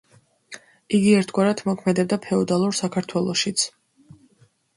იგი ერთგვარად მოქმედებდა ფეოდალურ საქართველოშიც.